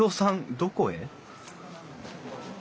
どこへ？